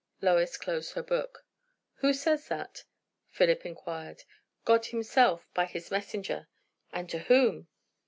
'" Lois closed her book. "Who says that?" Philip inquired. "God himself, by his messenger." "And to whom?"